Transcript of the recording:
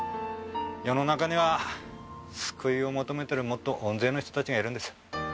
世の中には救いを求めてるもっと大勢の人たちがいるんです。